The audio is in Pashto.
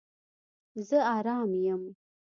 زه آرام یم